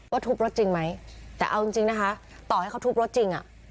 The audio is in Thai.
ทุบรถจริงไหมแต่เอาจริงจริงนะคะต่อให้เขาทุบรถจริงอ่ะ